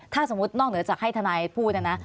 ถ้าสมมุตินอกเหนือจากให้ทนายพูดเนี่ยนะ